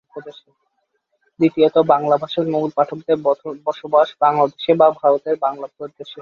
দ্বিতীয়ত বাংলা ভাষার মূল পাঠকদের বসবাস বাংলাদেশে বা ভারতের বাংলা প্রদেশে।